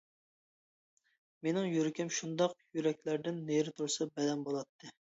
مېنىڭ يۈرىكىم شۇنداق يۈرەكلەردىن نېرى تۇرسا بەلەن بولاتتى.